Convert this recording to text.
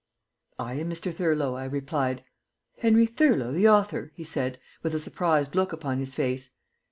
"I am Mr. Thurlow," I replied. "Henry Thurlow, the author?" he said, with a surprised look upon his face.